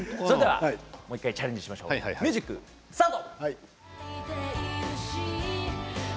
もう１回チャレンジしましょうミュージックスタート！